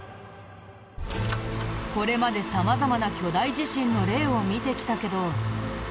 これまで様々な巨大地震の例を見てきたけど。